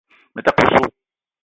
Me ta ke osso.